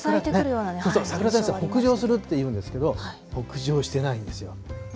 桜前線北上するっていうんですけれども、北上してないんですよ。